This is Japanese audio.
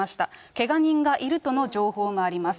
けが人がいるとの情報もあります。